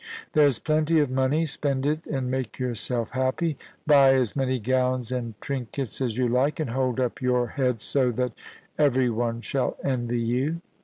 There's plenty of money ; spend it and make yourself happy. Buy as many gowns and trinkets as you like, and hold up your head so that ever)'one shall envy you.